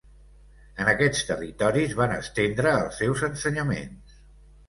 En aquests territoris van estendre els seus ensenyaments.